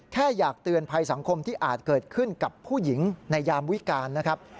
แค่อยากเตือนภัยสังคมที่อาจเกิดขึ้นกับผู้หญิงในยามวิการนะครับ